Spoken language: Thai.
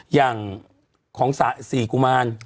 อย่างของ๔กุมาร